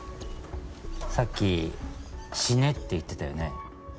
さっき「死ね」って言ってたよね。